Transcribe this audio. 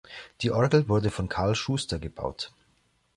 Die Orgel wurde von Carl Schuster gebaut.